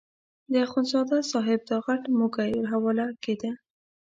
د اخندزاده صاحب دا غټ موږی حواله کېده.